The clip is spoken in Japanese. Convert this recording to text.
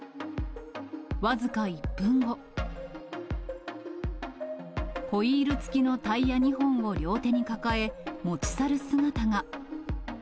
僅か１分後、ホイール付きのタイヤ２本を両手に抱え、持ち去る姿が。